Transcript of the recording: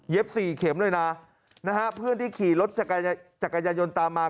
เย็บ๔เข็มด้วยนะนะฮะเพื่อนที่ขี่รถจักรยานยนต์ตามมา